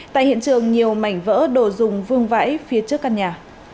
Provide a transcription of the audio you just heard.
tại hiện trường nhiều mảnh vỡ đồ dùng vương vãi phía trước căn nhà